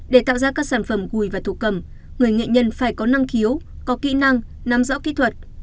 để tạo ra các sản phẩm gùi và thổ cầm người nghệ nhân phải có năng khiếu có kỹ năng nắm rõ kỹ thuật